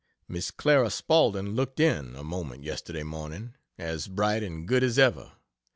Miss Clara Spaulding looked in, a moment, yesterday morning, as bright and good as ever.